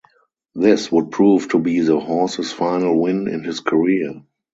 This would prove to be the horses final win in his career.